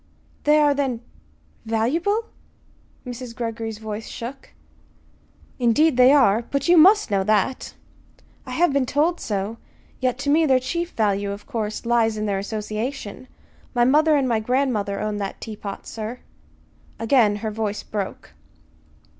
"They are, then valuable?" Mrs. Greggory's voice shook. "Indeed they are! But you must know that." "I have been told so. Yet to me their chief value, of course, lies in their association. My mother and my grandmother owned that teapot, sir." Again her voice broke.